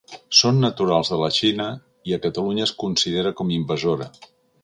Són naturals de la Xina i a Catalunya es considera com invasora.